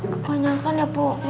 kebanyakan ya bu